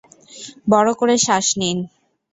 বড় করে শ্বাস নিন।